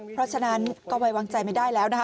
เพราะฉะนั้นก็ไว้วางใจไม่ได้แล้วนะคะ